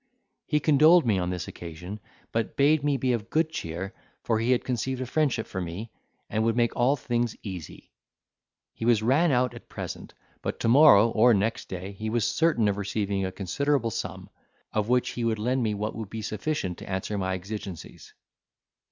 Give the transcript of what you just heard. He condoled me on this occasion; but bade me be of good cheer, for he had conceived a friendship for me, and would make all things easy. He was ran out at present, but to morrow or next day, he was certain of receiving a considerable sum; of which he would lend me what would be sufficient to answer my exigencies.